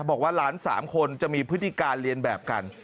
บอกว่าหลาน๓คนจะมีพฤติการเรียนแบบกัน